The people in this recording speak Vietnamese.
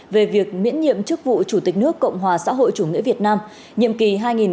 về việc miễn nhiệm chức vụ chủ tịch nước cộng hòa xã hội chủ nghĩa việt nam nhiệm kỳ hai nghìn hai mươi một hai nghìn hai mươi sáu